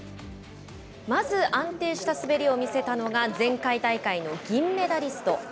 まず安定した滑りを見せたのが前回大会の銀メダリスト